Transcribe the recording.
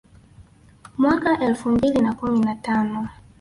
Mwaka elfu mbili na kumi na tano